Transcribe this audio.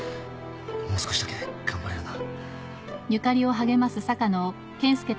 もう少しだけ頑張れるな。